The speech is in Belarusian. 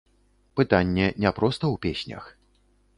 Пытанне не проста ў песнях.